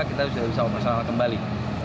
kita sudah bisa operasional kembali